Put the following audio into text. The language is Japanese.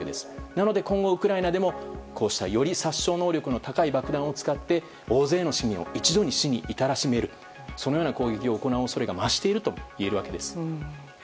なので今後、ウクライナでもより殺傷能力の高い爆弾を使って大勢の市民を一度に死に至らしめるそのような攻撃を行う恐れが増しているといえるわけです。